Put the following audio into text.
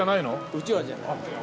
うちわじゃない。